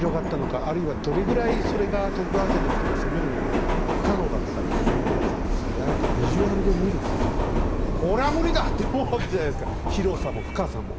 あるいはどれぐらいそれが徳川家としたら攻めるのが不可能だったかっていうのはさああやってビジュアルで見るとさ「これは無理だ！」って思うわけじゃないですか広さも深さも。